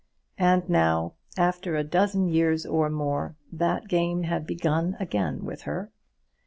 And now, after a dozen years or more, that game had begun again with her!